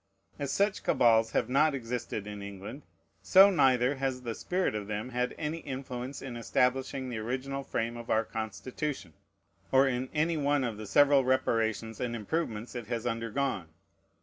As such cabals have not existed in England, so neither has the spirit of them had any influence in establishing the original frame of our Constitution, or in any one of the several reparations and improvements it has undergone.